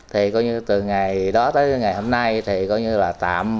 thì coi như từ ngày đó tới ngày hôm nay thì coi như là tạm